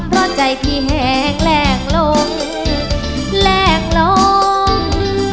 เพราะใจพี่แหงแรงลงแลกลง